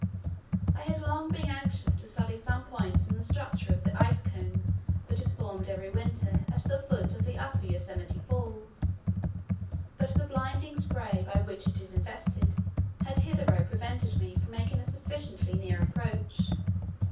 I had long been anxious to study some points in the structure of the ice cone that is formed every winter at the foot of the upper Yosemite fall, but the blinding spray by which it is invested had hitherto prevented me from making a sufficiently near approach.